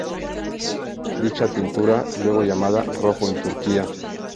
Dicha tintura, luego llamada "rojo de Turquía".